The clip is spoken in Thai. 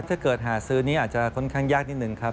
ถ้าเกิดหาซื้อนี้อาจจะค่อนข้างยากนิดนึงครับ